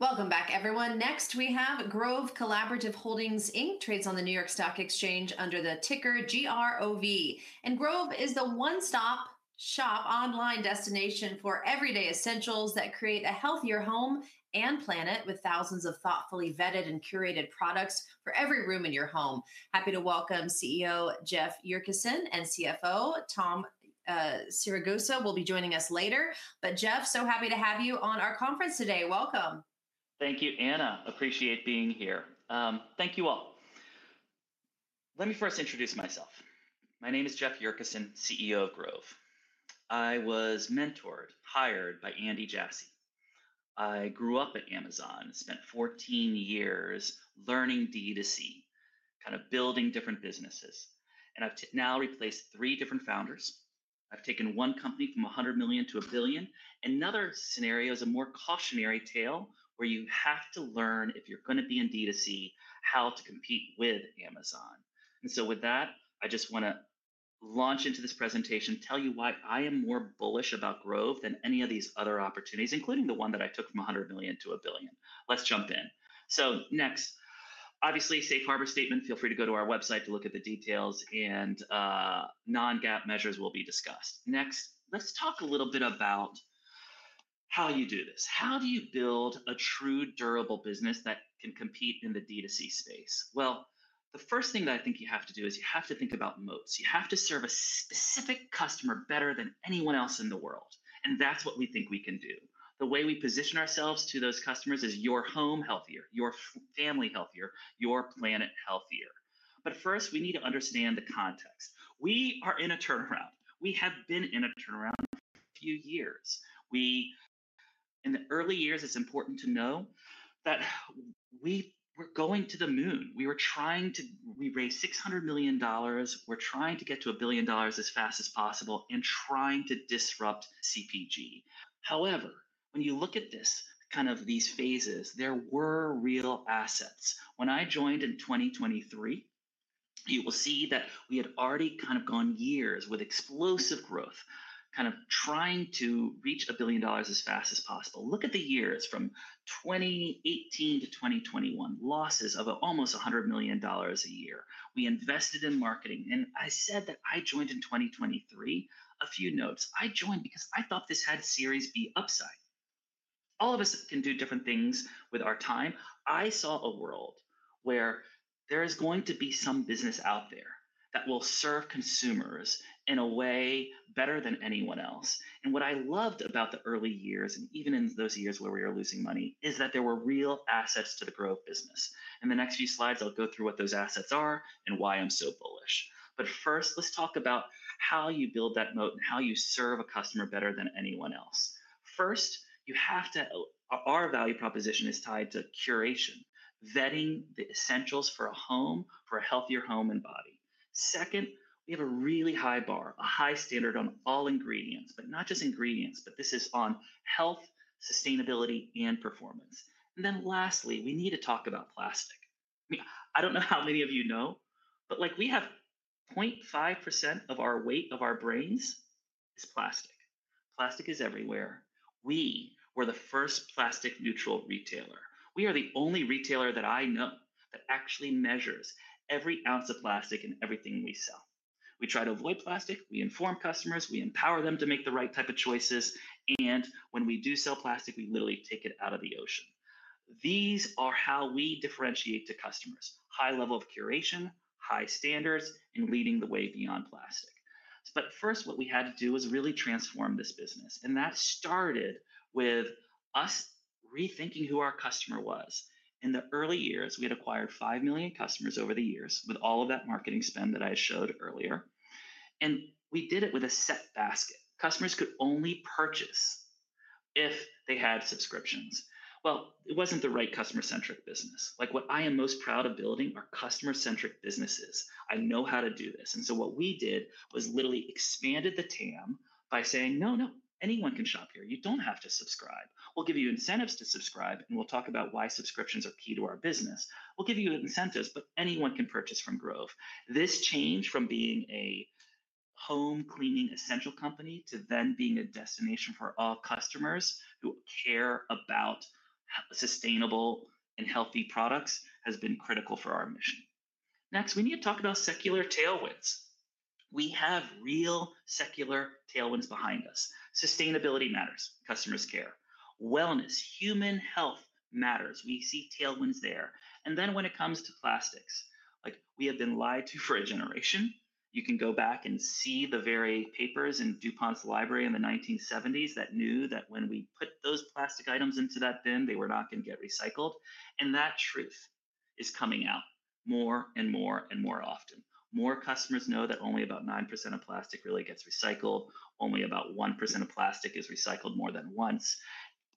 Welcome back, everyone. Next, we have Grove Collaborative Holdings Inc., trades on the New York Stock Exchange under the ticker GROV. Grove is the one-stop shop online destination for everyday essentials that create a healthier home and planet, with thousands of thoughtfully vetted and curated products for every room in your home. Happy to welcome CEO Jeff Yurcisin and CFO Tom Siragusa, who will be joining us later. Jeff, so happy to have you on our conference today. Welcome. Thank you, Ana. Appreciate being here. Thank you all. Let me first introduce myself. My name is Jeff Yurcisin, CEO of Grove. I was mentored, hired by Andy Jassy. I grew up at Amazon, spent 14 years learning D2C, kind of building different businesses. I've now replaced three different founders. I've taken one company from $100 million-$1 billion. Another scenario is a more cautionary tale where you have to learn, if you're going to be in D2C, how to compete with Amazon. With that, I just want to launch into this presentation, tell you why I am more bullish about Grove than any of these other opportunities, including the one that I took from $100 million-$1 billion. Let's jump in. Next, obviously, safe harbor statement. Feel free to go to our website to look at the details, and non-GAAP measures will be discussed. Next, let's talk a little bit about how you do this. How do you build a true durable business that can compete in the D2C space? The first thing that I think you have to do is you have to think about moats. You have to serve a specific customer better than anyone else in the world. That's what we think we can do. The way we position ourselves to those customers is your home healthier, your family healthier, your planet healthier. First, we need to understand the context. We are in a turnaround. We have been in a turnaround for a few years. In the early years, it's important to know that we were going to the moon. We were trying to raise $600 million. We're trying to get to $1 billion as fast as possible and trying to disrupt CPG. However, when you look at this, kind of these phases, there were real assets. When I joined in 2023, you will see that we had already kind of gone years with explosive growth, kind of trying to reach $1 billion as fast as possible. Look at the years from 2018-2021, losses of almost $100 million a year. We invested in marketing. I said that I joined in 2023. A few notes. I joined because I thought this had Series B upside. All of us can do different things with our time. I saw a world where there is going to be some business out there that will serve consumers in a way better than anyone else. What I loved about the early years, and even in those years where we were losing money, is that there were real assets to the Grove business. In the next few slides, I'll go through what those assets are and why I'm so bullish. First, let's talk about how you build that moat and how you serve a customer better than anyone else. First, our value proposition is tied to curation, vetting the essentials for a home, for a healthier home and body. Second, we have a really high bar, a high standard on all ingredients, but not just ingredients, this is on health, sustainability, and performance. Lastly, we need to talk about plastic. I don't know how many of you know, but we have 0.5% of our weight of our brains is plastic. Plastic is everywhere. We were the first plastic-neutral retailer. We are the only retailer that I know that actually measures every ounce of plastic in everything we sell. We try to avoid plastic. We inform customers. We empower them to make the right type of choices and when we do sell plastic, we literally take it out of the ocean. These are how we differentiate to customers. High level of curation, high standards, and leading the way beyond plastic. First, what we had to do was really transform this business and that started with us rethinking who our customer was. In the early years, we had acquired 5 million customers over the years with all of that marketing spend that I showed earlier, and we did it with a CEF basket. Customers could only purchase if they had subscriptions. It wasn't the right customer-centric business. What I am most proud of building are customer-centric businesses. I know how to do this. What we did was literally expanded the TAM by saying, no, no, anyone can shop here, you don't have to subscribe. We'll give you incentives to subscribe, and we'll talk about why subscriptions are key to our business. We'll give you incentives, but anyone can purchase from Grove. This changed from being a home cleaning essential company to then being a destination for all customers who care about sustainable and healthy products, has been critical for our mission. Next, we need to talk about secular tailwinds. We have real secular tailwinds behind us. Sustainability matters, customers care, wellness, human health matters. We see tailwinds there. When it comes to plastics, we have been lied to for a generation, you can go back and see the very papers in DuPont's library in the 1970s that knew that when we put those plastic items into that bin, they were not going to get recycled. That truth is coming out more and more often. More customers know that only about 9% of plastic really gets recycled, only about 1% of plastic is recycled more than once.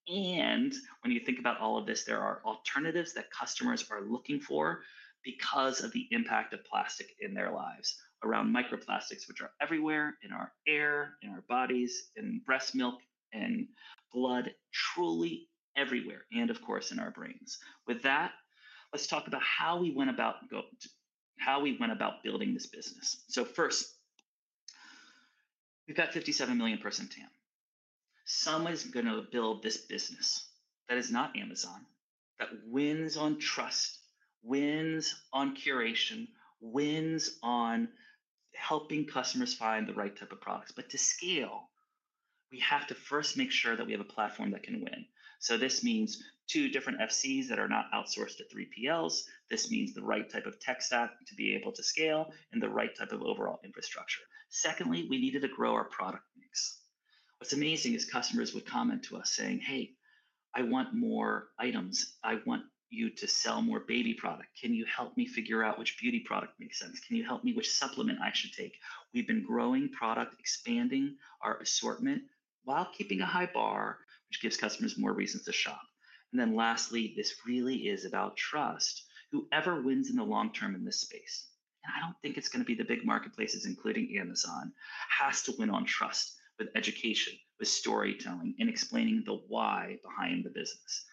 When you think about all of this, there are alternatives that customers are looking for because of the impact of plastic in their lives around microplastics, which are everywhere in our air, in our bodies, in breast milk, in blood, truly everywhere, and of course in our brains. With that, let's talk about how we went about building this business. First, we've got a 57 million person TAM. Someone's going to build this business that is not Amazon, that wins on trust, wins on curation, wins on helping customers find the right type of products. To scale, we have to first make sure that we have a platform that can win. This means two different FCs that are not outsourced to 3PLs. This means the right type of tech staff to be able to scale and the right type of overall infrastructure. Secondly, we needed to grow our product mix. What's amazing is customers would come into us saying, "Hey, I want more items. I want you to sell more baby product. Can you help me figure out which beauty product makes sense? Can you help me with supplement I should take?" We've been growing product, expanding our assortment while keeping a high bar, which gives customers more reasons to shop. Lastly, this really is about trust. Whoever wins in the long term in this space, and I don't think it's going to be the big marketplaces, including Amazon, has to win on trust with education, with storytelling, and explaining the why behind the business.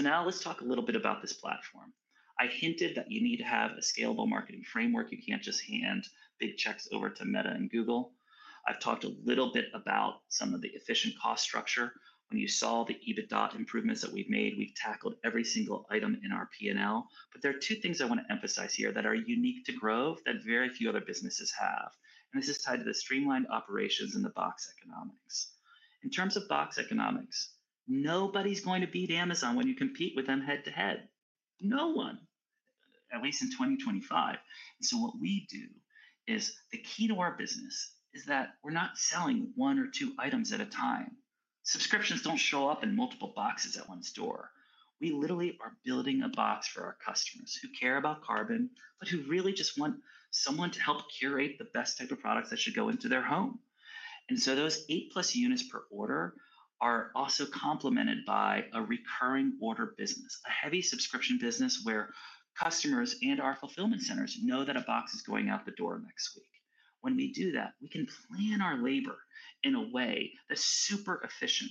Now let's talk a little bit about this platform. I've hinted that you need to have a scalable marketing framework. You can't just hand big checks over to Meta and Google. I've talked a little bit about some of the efficient cost structure. When you saw the EBITDA improvements that we've made, we've tackled every single item in our P&L. There are two things I want to emphasize here that are unique to Grove that very few other businesses have. This is tied to the streamlined operations in the box economics. In terms of box economics, nobody's going to beat Amazon when you compete with them head-to-head. No one, at least in 2025. What we do is the key to our business is that we're not selling one or two items at a time. Subscriptions don't show up in multiple boxes at one store. We literally are building a box for our customers who care about carbon, but who really just want someone to help curate the best type of products that should go into their home. Those 8+ units per order are also complemented by a recurring order business, a heavy subscription business where customers and our fulfillment centers know that a box is going out the door next week. When we do that, we can plan our labor in a way that's super efficient.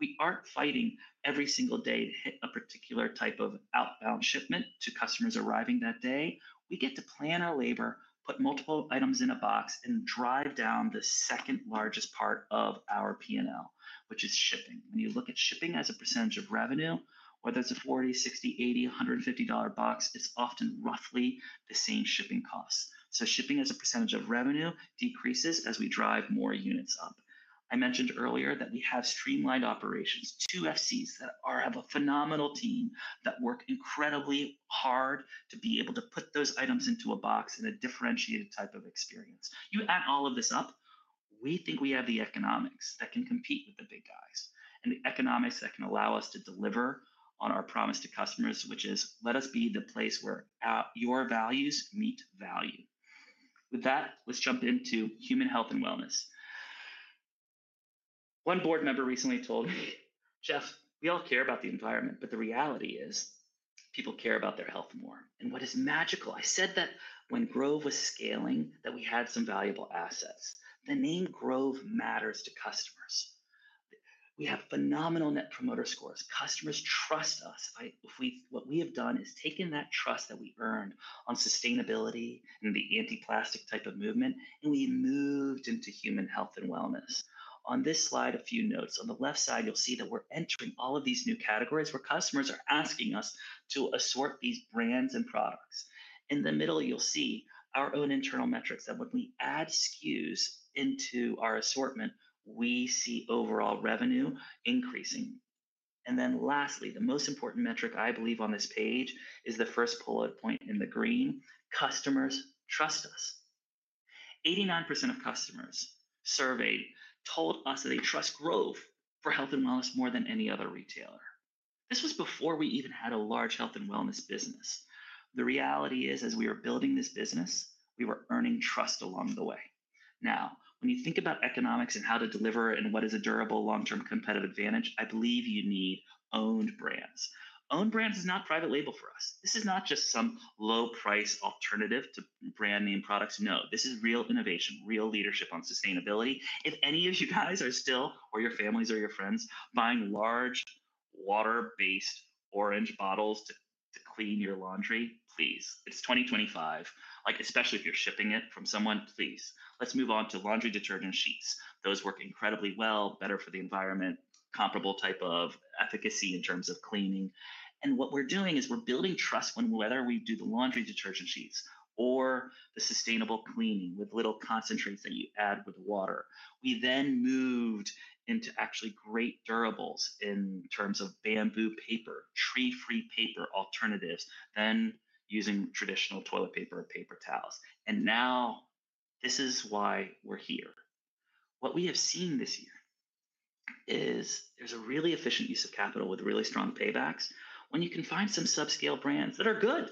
We aren't fighting every single day to hit a particular type of outbound shipment to customers arriving that day. We get to plan our labor, put multiple items in a box, and drive down the second largest part of our P&L, which is shipping. When you look at shipping as a percentage of revenue, whether it's a $40, $60, $80, $150 box, it's often roughly the same shipping cost. Shipping as a percentage of revenue decreases as we drive more units up. I mentioned earlier that we have streamlined operations, two FCs that have a phenomenal team that work incredibly hard to be able to put those items into a box in a differentiated type of experience. You add all of this up. We think we have the economics that can compete with the big guys and the economics that can allow us to deliver on our promise to customers, which is let us be the place where your values meet value. With that, let's jump into human health and wellness. One board member recently told me, "Jeff, we all care about the environment, but the reality is people care about their health more." What is magical, I said that when Grove was scaling, that we had some valuable assets. The name Grove matters to customers. We have phenomenal net promoter scores, customers trust us. What we have done is taken that trust that we earned on sustainability and the anti-plastic type of movement, and we moved into human health and wellness. On this slide, a few notes. On the left side, you'll see that we're entering all of these new categories where customers are asking us to assort these brands and products. In the middle, you'll see our own internal metrics that when we add SKUs into our assortment, we see overall revenue increasing. Lastly, the most important metric I believe on this page is the first bullet point in the green, customers trust us. 89% of customers surveyed told us that they trust Grove for health and wellness more than any other retailer. This was before we even had a large health and wellness business. The reality is, as we were building this business, we were earning trust along the way. Now, when you think about economics and how to deliver and what is a durable long-term competitive advantage, I believe you need owned brands. Owned brands is not private label for us. This is not just some low-price alternative to brand name products. No, this is real innovation, real leadership on sustainability. If any of you guys are still, or your families or your friends, buying large water-based orange bottles to clean your laundry, please. It's 2025. Like, especially if you're shipping it from someone, please. Let's move on to laundry detergent sheets. Those work incredibly well, better for the environment, comparable type of efficacy in terms of cleaning. What we're doing is we're building trust when whether we do the laundry detergent sheets or the sustainable cleaning with little concentrates that you add with water. We then moved into actually great durables in terms of bamboo paper, tree-free paper alternatives, then using traditional toilet paper and paper towels. Now, this is why we're here. What we have seen this year is there's a really efficient use of capital with really strong paybacks when you can find some subscale brands that are good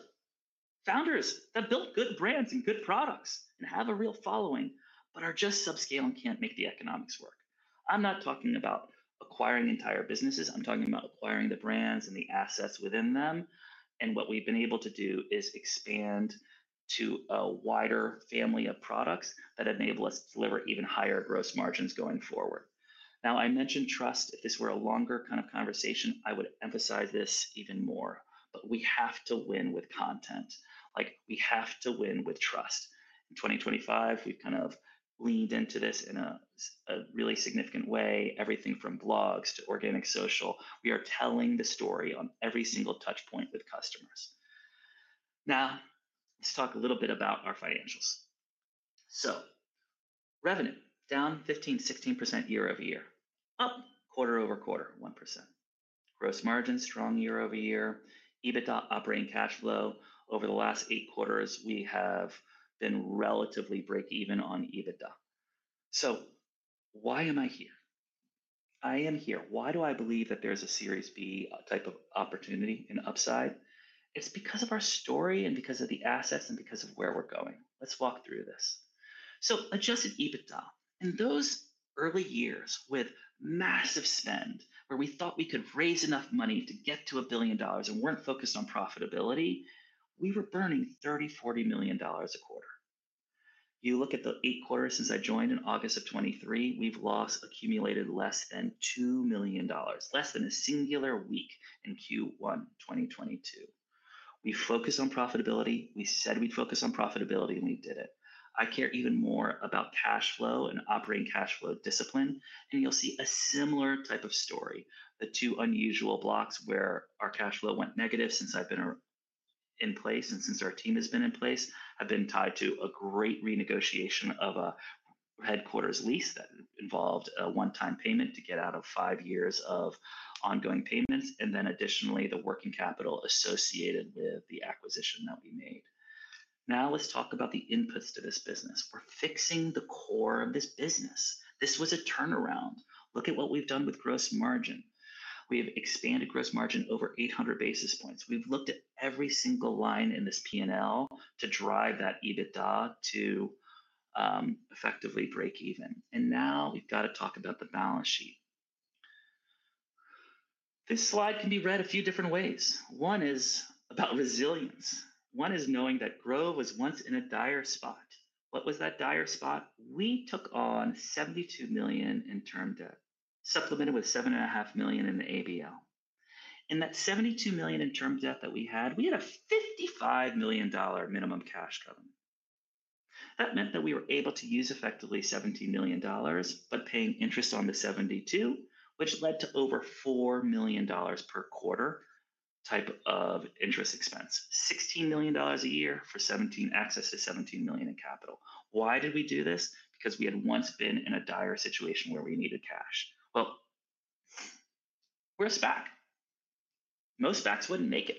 founders that built good brands and good products and have a real following, but are just subscaling and can't make the economics work. I'm not talking about acquiring entire businesses. I'm talking about acquiring the brands and the assets within them. What we've been able to do is expand to a wider family of products that enable us to deliver even higher gross margins going forward. I mentioned trust, if this were a longer kind of conversation, I would emphasize this even more. We have to win with content, we have to win with trust. In 2025, we've kind of leaned into this in a really significant way, everything from blogs to organic social, we are telling the story on every single touchpoint with customers. Now, let's talk a little bit about our financials. Revenue down 15%, 16% year-over-year, up quarter-over-quarter, 1%. Gross margin strong year-over-year. EBITDA operating cash flow over the last eight quarters, we have been relatively breakeven on EBITDA. Why am I here? I am here. Why do I believe that there's a series B type of opportunity and upside? It's because of our story and because of the assets and because of where we're going. Let's walk through this. Adjusted EBITDA, in those early years with massive spend where we thought we could raise enough money to get to a $1 billion dollars and weren't focused on profitability, we were burning $30 million, $40 million a quarter. You look at the eight quarters since I joined in August of 2023, we've lost accumulated less than $2 million, less than a singular week in Q1 2022. We focus on profitability, we said we'd focus on profitability, and we did it. I care even more about cash flow and operating cash flow discipline. You'll see a similar type of story, the two unusual blocks where our cash flow went negative since I've been in place and since our team has been in place. I've been tied to a great renegotiation of a headquarters lease that involved a one-time payment to get out of five years of ongoing payments. Additionally, the working capital associated with the acquisition that we made. Now let's talk about the inputs to this business. We're fixing the core of this business. This was a turnaround. Look at what we've done with gross margin. We have expanded gross margin over 800 basis points. We've looked at every single line in this P&L to drive that EBITDA to effectively break even and now we've got to talk about the balance sheet. This slide can be read a few different ways. One is about resilience. One is knowing that Grove was once in a dire spot. What was that dire spot? We took on $72 million in term debt, supplemented with $7.5 million in the ABL. In that $72 million in term debt that we had, we had a $55 million minimum cash covenant. That meant that we were able to use effectively $17 million by paying interest on the $72 million, which led to over $4 million per quarter type of interest expense. $16 million a year for access to $17 million in capital. Why did we do this? Because we had once been in a dire situation where we needed cash. We're a SPAC, most SPACs wouldn't make it.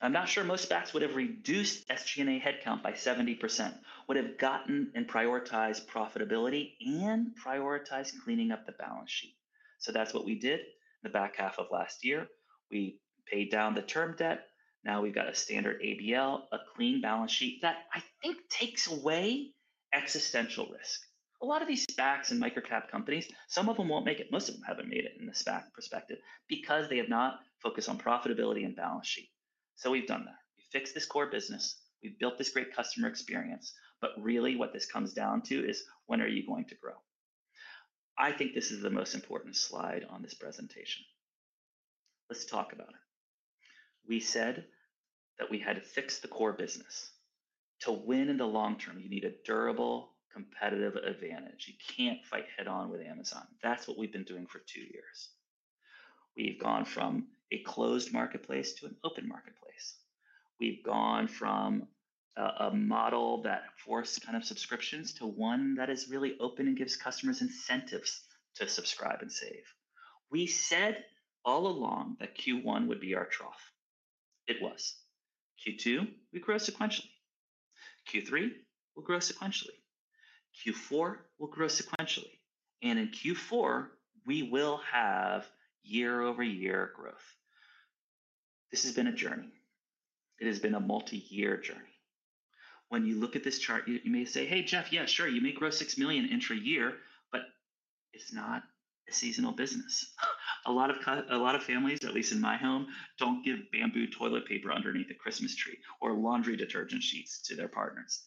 I'm not sure most SPACs would have reduced SG&A headcount by 70%, would have gotten and prioritized profitability and prioritized cleaning up the balance sheet. That's what we did in the back half of last year. We paid down the term debt. Now we've got a standard ABL, a clean balance sheet that I think takes away existential risk. A lot of these SPACs and microcap companies, some of them won't make it. Most of them haven't made it in the SPAC perspective because they have not focused on profitability and balance sheet. We've done that. We've fixed this core business, we've built this great customer experience, what this comes down to is, when are you going to grow? I think this is the most important slide on this presentation. Let's talk about it. We said that we had to fix the core business. To win in the long-term, you need a durable competitive advantage. You can't fight head-on with Amazon. That's what we've been doing for two years. We've gone from a closed marketplace to an open marketplace. We've gone from a model that forced kind of subscriptions to one that is really open and gives customers incentives to subscribe and save. We said all along that Q1 would be our trough, it was. Q2, we grow sequentially, Q3, we'll grow sequentially, Q4, we'll grow sequentially and in Q4, we will have year-over-year growth. This has been a journey. It has been a multi-year journey. When you look at this chart, you may say, "Hey, Jeff, yeah, sure, you may grow $6 million in a year, but it's not a seasonal business." A lot of families, at least in my home, don't give bamboo toilet paper underneath the Christmas tree or laundry detergent sheets to their partners.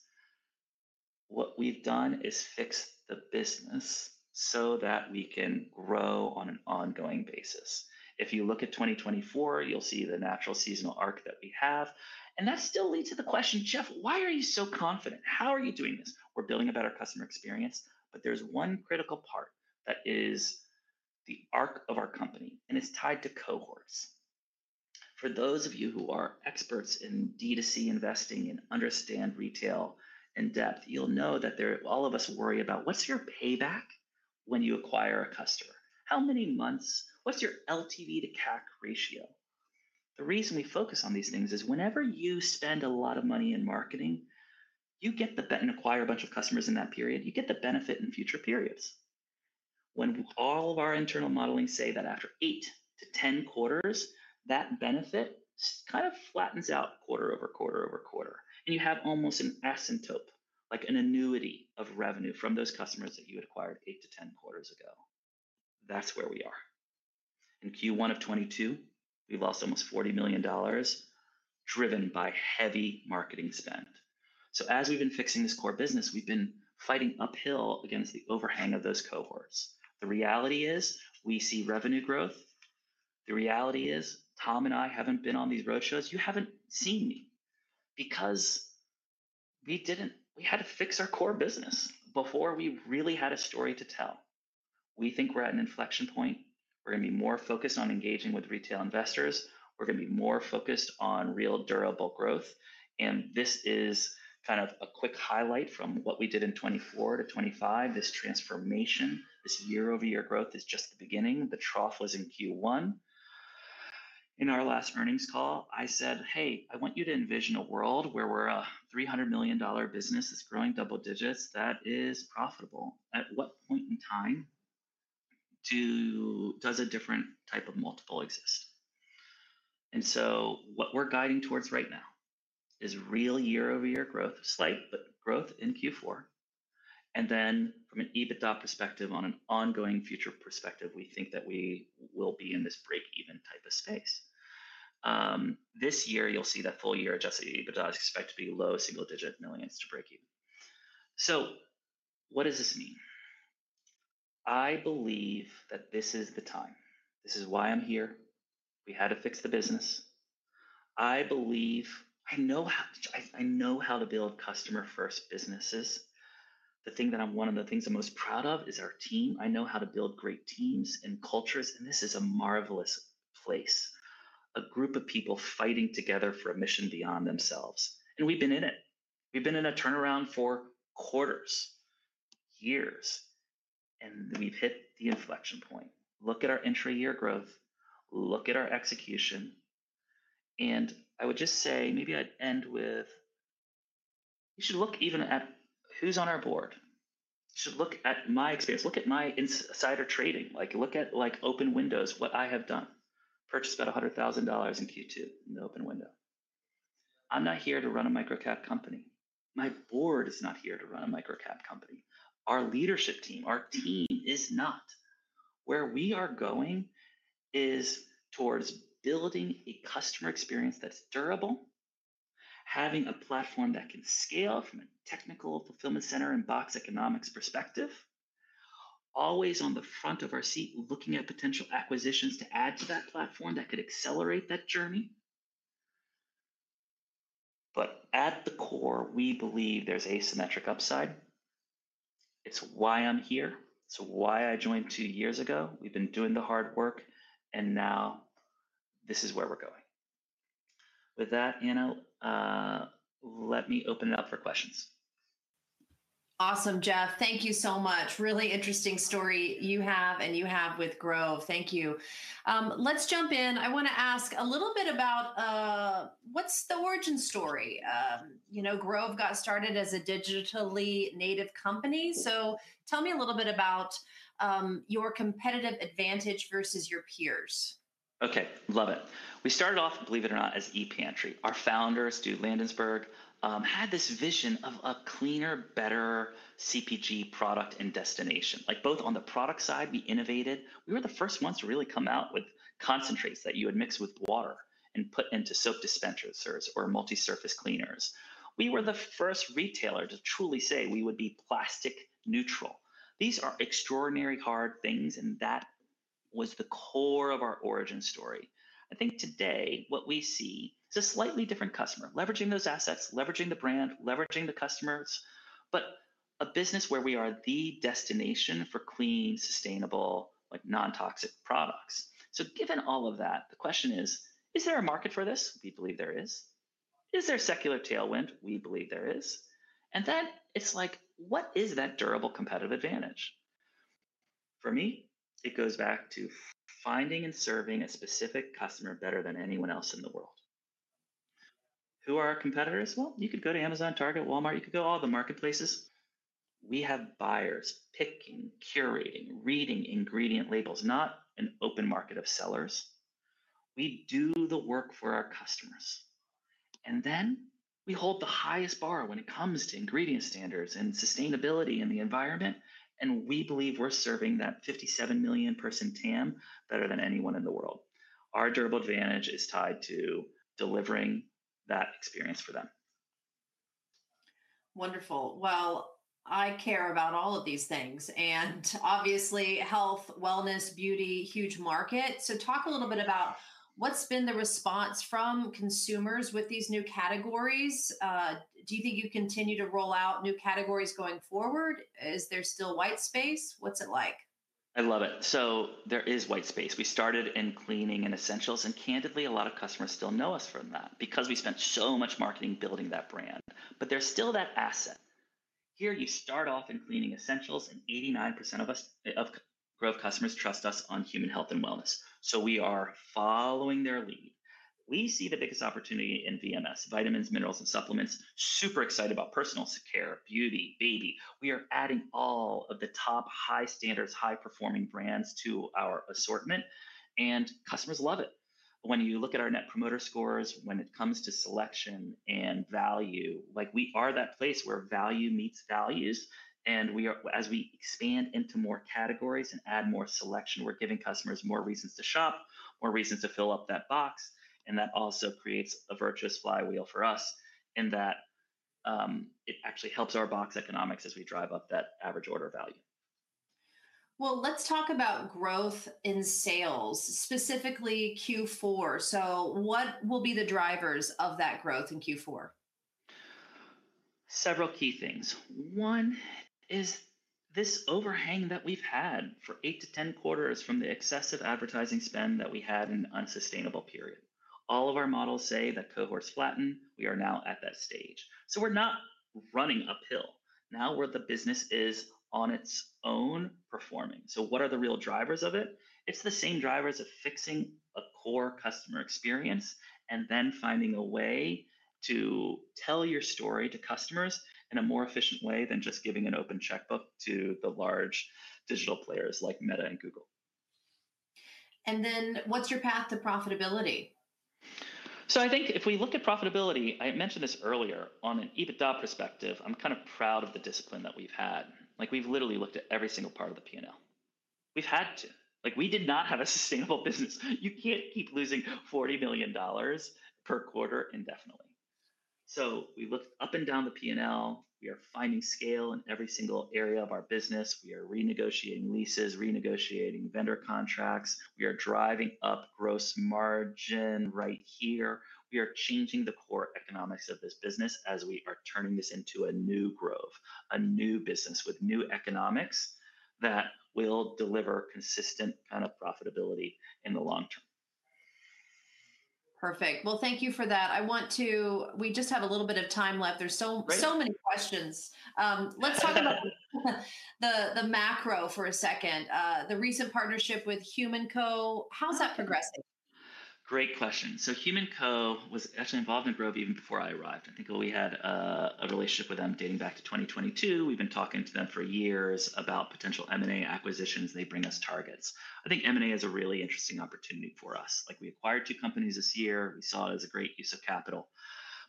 What we've done is fix the business so that we can grow on an ongoing basis. If you look at 2024, you'll see the natural seasonal arc that we have and that still leads to the question, "Jeff, why are you so confident? How are you doing this?" We're building a better customer experience, but there's one critical part that is the arc of our company, and it's tied to cohorts. For those of you who are experts in D2C investing and understand retail in depth, you'll know that all of us worry about, what's your payback? When you acquire a customer. How many months? What's your LTV to CAC ratio? The reason we focus on these things is whenever you spend a lot of money in marketing, you get the and acquire a bunch of customers in that period. You get the benefit in future periods. When all of our internal modelings say that after 8-10 quarters, that benefit kind of flattens out quarter-over-quarter. You have almost an asymptote, like an annuity of revenue from those customers that you had acquired 8-10 quarters ago. That's where we are. In Q1 of 2022, we lost almost $40 million, driven by heavy marketing spend. As we've been fixing this core business, we've been fighting uphill against the overhang of those cohorts. The reality is we see revenue growth, the reality is Tom and I haven't been on these roadshows you haven't seen me because we didn't. We had to fix our core business before we really had a story to tell. We think we're at an inflection point. We're going to be more focused on engaging with retail investors, we're going to be more focused on real durable growth and this is kind of a quick highlight from what we did in 2024-2025. This transformation, this year-over-year growth is just the beginning the trough was in Q1. In our last earnings call, I said, "Hey, I want you to envision a world where we're a $300 million business that's growing double digits that is profitable. At what point in time does a different type of multiple exist?" What we're guiding towards right now is real year-over-year growth, slight growth in Q4, and then from an EBITDA perspective on an ongoing future perspective we think that we will be in this break-even type of space. This year, you'll see that full-year adjusted EBITDA is expected to be low single-digit millions to break even. What does this mean? I believe that this is the time. This is why I'm here, we had to fix the business. I believe, I know how to build customer-first businesses. The thing that I'm one of the things I'm most proud of is our team, I know how to build great teams and cultures. This is a marvelous place, a group of people fighting together for a mission beyond themselves. We've been in it. We've been in a turnaround for quarters, years, and we've hit the inflection point. Look at our entry-year growth, look at our execution and I would just say maybe I'd end with, you should look even at who's on our board. You should look at my experience, look at my insider trading. Look at open windows, what I have done. Purchased about $100,000 in Q2, an open window. I'm not here to run a microcap company, my board is not here to run a microcap company, our leadership team, our team is not. Where we are going is towards building a customer experience that's durable, having a platform that can scale from a technical fulfillment center and box economics perspective, always on the front of our seat, looking at potential acquisitions to add to that platform that could accelerate that journey, but at the core, we believe there's asymmetric upside it's why I'm here. It's why I joined two years ago. We've been doing the hard work, and now this is where we're going. With that, Ana, let me open it up for questions. Awesome, Jeff. Thank you so much. Really interesting story you have and you have with Grove. Thank you. Let's jump in. I want to ask a little bit about, what's the origin story. You know, Grove got started as a digitally native company, tell me a little bit about your competitive advantage versus your peers. Okay, love it. We started off, believe it or not, as ePantry. Our founder, Stuart Landesberg, had this vision of a cleaner, better CPG product and destination. Like both on the product side we innovated, we were the first ones to really come out with concentrates that you would mix with water and put into soap dispensers or multi-surface cleaners. We were the first retailer to truly say we would be plastic neutral. These are extraordinarily hard things, and that was the core of our origin story. I think today what we see is a slightly different customer, leveraging those assets, leveraging the brand, leveraging the customers, but a business where we are the destination for clean, sustainable, non-toxic products. Given all of that, the question is, is there a market for this? We believe there is. Is there secular tailwind? We believe there is. It goes back to finding and serving a specific customer better than anyone else in the world. Who are our competitors? You could go to Amazon, Target, Walmart, you could go to all the marketplaces. We have buyers picking, curating, reading ingredient labels, not an open market of sellers. We do the work for our customers and then we hold the highest bar when it comes to ingredient standards and sustainability and the environment. We believe we're serving that 57 million person TAM better than anyone in the world. Our durable advantage is tied to delivering that experience for them. Wonderful. I care about all of these things. Obviously, health, wellness, beauty, huge market. Talk a little bit about what's been the response from consumers with these new categories. Do you think you continue to roll out new categories going forward? Is there still white space? What's it like? I love it. There is white space. We started in cleaning and essentials. Candidly, a lot of customers still know us from that because we spent so much marketing building that brand. There's still that asset. Here, you start off in cleaning essentials, and 89% of Grove customers trust us on human health and wellness. We are following their lead. We see the biggest opportunity in VMS, vitamins, minerals, and supplements. Super excited about personal care, beauty, baby. We are adding all of the top, high standards, high-performing brands to our assortment. Customers love it. When you look at our net promoter scores, when it comes to selection and value, we are that place where value meets values and as we expand into more categories and add more selection, we're giving customers more reasons to shop, more reasons to fill up that box. That also creates a virtuous flywheel for us in that it actually helps our box economics as we drive up that average order value. Let's talk about growth in sales, specifically Q4. What will be the drivers of that growth in Q4? Several key things. One is this overhang that we've had for 8-10 quarters from the excessive advertising spend that we had in an unsustainable period. All of our models say that cohorts flatten. We are now at that stage, so we're not running uphill. Now the business is on its own performing. What are the real drivers of it? It's the same drivers of fixing a core customer experience and then finding a way to tell your story to customers in a more efficient way than just giving an open checkbook to the large digital players like Meta and Google. What is your path to profitability? If we look at profitability, I mentioned this earlier on an EBITDA perspective, I'm kind of proud of the discipline that we've had. We've literally looked at every single part of the P&L. We've had to. We did not have a sustainable business you can't keep losing $40 million per quarter indefinitely. We looked up and down the P&L, we are finding scale in every single area of our business we are renegotiating leases, renegotiating vendor contracts. We are driving up gross margin right here, we are changing the core economics of this business as we are turning this into a new Grove, a new business with new economics that will deliver consistent kind of profitability in the long-term. Perfect. Thank you for that. We just have a little bit of time left there are so many questions. Let's talk about the macro for a second. The recent partnership with HumanCo, how's that progressing? Great question. HumanCo was actually involved in Grove even before I arrived. I think we had a relationship with them dating back to 2022. We've been talking to them for years about potential M&A acquisitions they bring us targets. I think M&A is a really interesting opportunity for us. We acquired two companies this year. We saw it as a great use of capital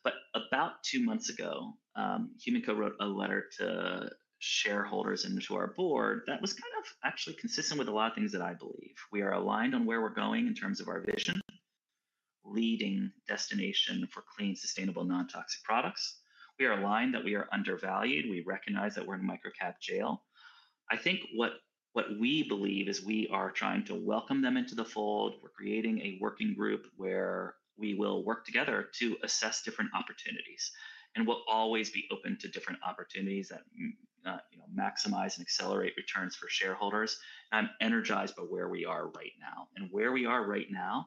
but about two months ago, HumanCo wrote a letter to shareholders and to our board that was actually consistent with a lot of things that I believe. We are aligned on where we're going in terms of our vision, leading destination for clean, sustainable, non-toxic products. We are aligned that we are undervalued, we recognize that we're in microcap jail. What we believe is we are trying to welcome them into the fold. We're creating a working group where we will work together to assess different opportunities. We'll always be open to different opportunities that maximize and accelerate returns for shareholders. I'm energized by where we are right now. Where we are right now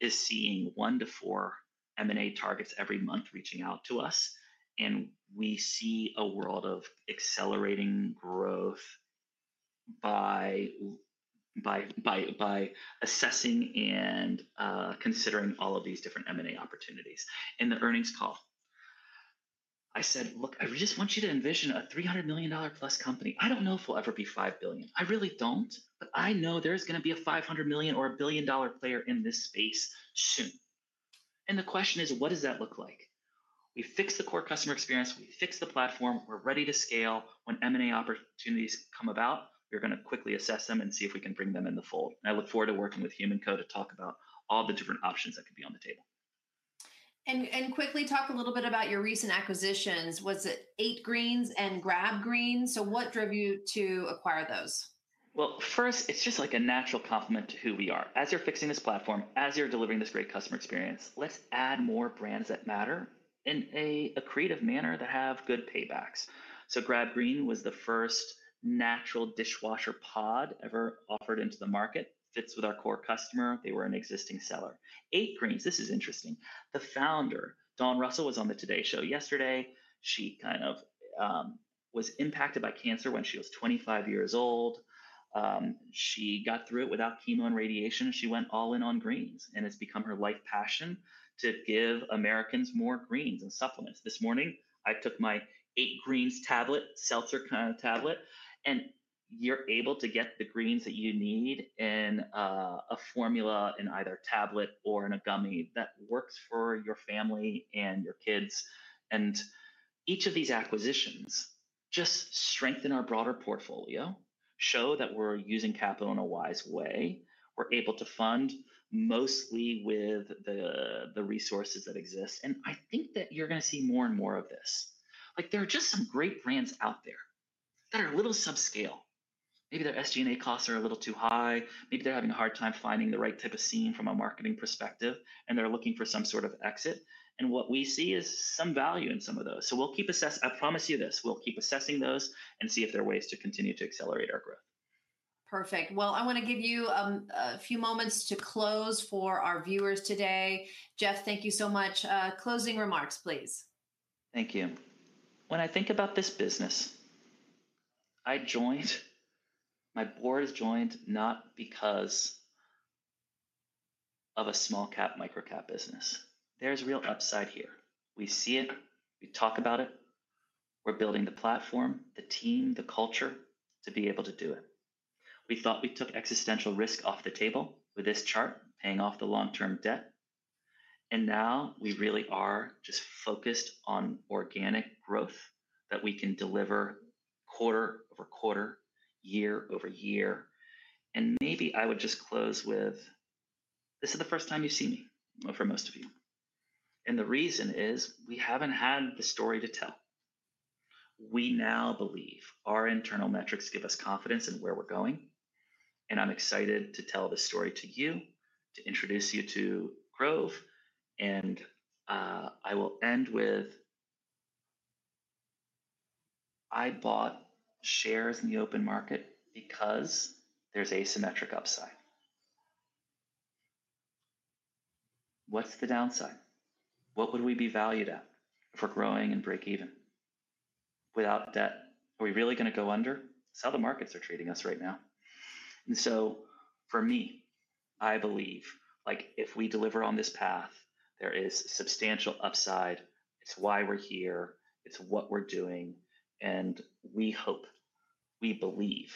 is seeing one to four M&A targets every month reaching out to us and we see a world of accelerating growth by assessing and considering all of these different M&A opportunities. In the earnings call, I said, "Look, I just want you to envision a $300+ million company. I don't know if we'll ever be $5 billion. I really don't. I know there's going to be a $500 million or $1 billion dollar player in this space soon." The question is, what does that look like? We fix the core customer experience, we fix the platform. We're ready to scale. When M&A opportunities come about, we're going to quickly assess them and see if we can bring them in the fold. I look forward to working with HumanCo to talk about all the different options that could be on the table. Quickly talk a little bit about your recent acquisitions? Was it 8Greens and Grab Green? What drove you to acquire those? It's just like a natural complement to who we are. As you're fixing this platform, as you're delivering this great customer experience, let's add more brands that matter in a creative manner that have good paybacks. Grab Green was the first natural dishwasher pod ever offered into the market. Fits with our core customer. They were an existing seller. 8Greens, this is interesting. The founder, Dawn Russell, was on the Today Show yesterday. She kind of was impacted by cancer when she was 25 years old. She got through it without chemo and radiation. She went all in on greens. It's become her life passion to give Americans more greens and supplements. This morning, I took my 8Greens tablet, seltzer kind of tablet, and you're able to get the greens that you need in a formula, in either a tablet or in a gummy that works for your family and your kids. Each of these acquisitions just strengthen our broader portfolio, show that we're using capital in a wise way. We're able to fund mostly with the resources that exist. I think that you're going to see more and more of this. There are just some great brands out there that are a little subscale. Maybe their SG&A costs are a little too high. Maybe they're having a hard time finding the right type of scene from a marketing perspective, and they're looking for some sort of exit. What we see is some value in some of those. We'll keep assessing. I promise you this. We'll keep assessing those and see if there are ways to continue to accelerate our growth. Perfect. I want to give you a few moments to close for our viewers today. Jeff, thank you so much. Closing remarks, please. Thank you. When I think about this business, I joined, my board has joined not because of a small cap microcap business. There's real upside here. We see it. We talk about it. We're building the platform, the team, the culture to be able to do it. We thought we took existential risk off the table with this chart, paying off the long-term debt. We really are just focused on organic growth that we can deliver quarter-over-quarter, year-over-year. Maybe I would just close with this is the first time you see me for most of you. The reason is we haven't had the story to tell. We now believe our internal metrics give us confidence in where we're going and I'm excited to tell this story to you, to introduce you to Grove. I will end with I bought shares in the open market because there's asymmetric upside. What's the downside? What would we be valued at for growing and break even without debt? Are we really going to go under? Some of the markets are treating us right now. For me, I believe if we deliver on this path, there is substantial upside. It's why we're here, it's what we're doing. We hope, we believe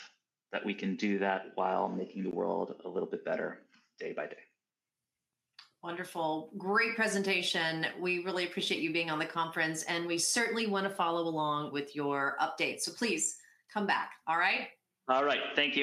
that we can do that while making the world a little bit better day by day. Wonderful. Great presentation. We really appreciate you being on the conference. We certainly want to follow along with your updates. Please come back. All right? All right. Thank you.